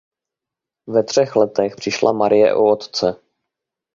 Ve třech letech přišla Marie o otce.